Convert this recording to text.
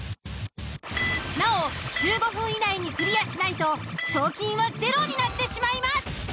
なお１５分以内にクリアしないと賞金は０になってしまいます。